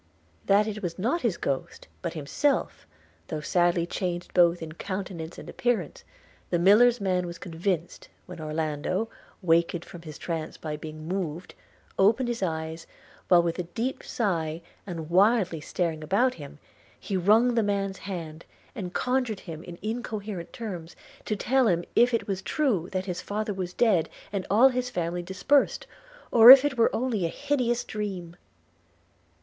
That it was not his ghost, but himself, though sadly changed both in countenance and appearance, the miller's man was convinced, when Orlando, awakened from his trance by being moved, opened his eyes, while with a deep sigh, and wildly staring about him, he wrung the man's hand, and conjured him, in incoherent terms, to tell him if it was true that his father was dead, and all his family dispersed – or if it were only a hideous dream.